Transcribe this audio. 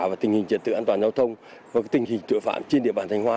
và tình hình trật tự an toàn giao thông và tình hình tội phạm trên địa bàn thanh hóa